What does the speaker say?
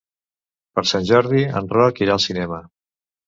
Per Sant Jordi en Roc irà al cinema.